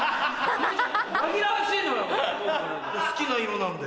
好きな色なんで。